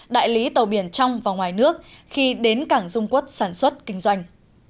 đại lý tàu biển trong và ngoài nước khi đến cảng dung quốc sản xuất kinh doanh